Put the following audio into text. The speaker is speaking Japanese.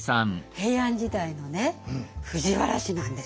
平安時代のね藤原氏なんです。